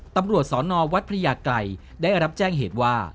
ตำรวจสอนอวัดพระยาไกรได้รับแจ้งเหตุว่า